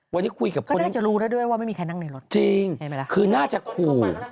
เข้ามาก็น่าจะคิดว่าไม่มีคนนั่งอยู่